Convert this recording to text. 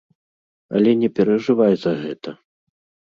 Але не перажывай за гэта.